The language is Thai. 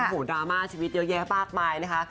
โอ้โหดราม่าชีวิตเยอะแยะมากมายนะคะ